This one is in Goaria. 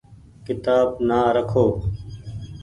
ڪيتآب نآ رکو ۔